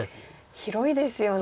広いですよね。